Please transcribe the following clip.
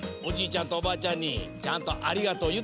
ちゃんとおばあちゃんにちゃんと「ありがとう」いった？